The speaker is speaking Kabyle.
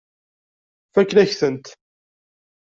Fakken-ak-ten.